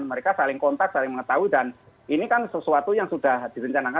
mereka saling kontak saling mengetahui dan ini kan sesuatu yang sudah direncanakan